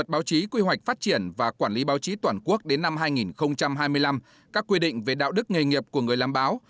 báo chí toàn quốc đến năm hai nghìn hai mươi năm các quy định về đạo đức nghề nghiệp của người làm báo